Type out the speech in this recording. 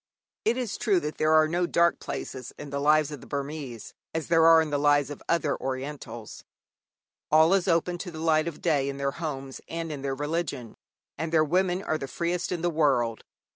It is true that there are no dark places in the lives of the Burmese as there are in the lives of other Orientals. All is open to the light of day in their homes and in their religion, and their women are the freest in the world.